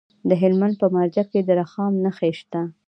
د هلمند په مارجه کې د رخام نښې شته.